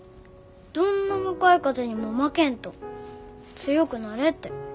どんな向かい風にも負けんと強くなれって。